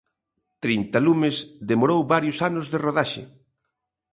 Trinta Lumes demorou varios anos de rodaxe.